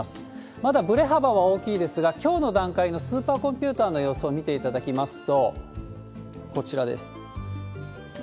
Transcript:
まだぶれ幅は大きいですが、きょうの段階のスーパーコンピューターの予想を見ていただきますと、こちらです。